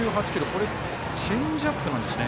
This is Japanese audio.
これ、チェンジアップなんですね。